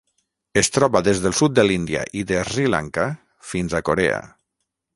Es troba des del sud de l'Índia i de Sri Lanka fins a Corea.